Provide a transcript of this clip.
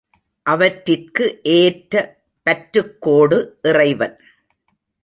அவற்றிற்கு ஏற்ற பற்றுக் கோடு இறைவன்.